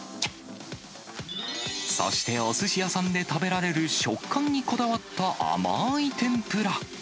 そしておすし屋さんで食べられる食感にこだわった甘ーい天ぷら。